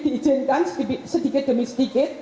diizinkan sedikit demi sedikit